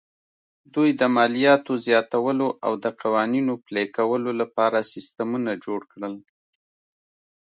دوی د مالیاتو زیاتولو او د قوانینو پلي کولو لپاره سیستمونه جوړ کړل